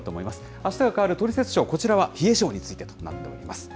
あしたが変わるトリセツショー、こちらは冷え症についてとなっております。